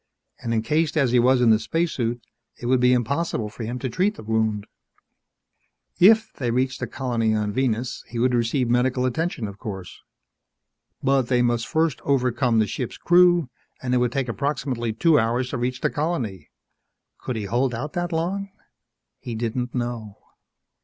And encased as he was in the spacesuit, it would be impossible for him to treat the wound. If they reached the colony on Venus he would receive medical attention, of course. But they must first overpower the ship's crew, and it would take approximately two hours to reach the colony. Could he hold out that long? He didn't know.